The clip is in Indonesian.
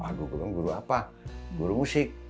aku bilang guru apa guru musik